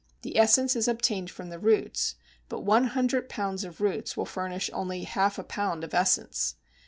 The essence is obtained from the roots, but one hundred pounds of roots will furnish only half a pound of essence.